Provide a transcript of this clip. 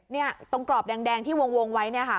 เนี่ยตรงกรอบแดงที่วงไว้เนี่ยค่ะ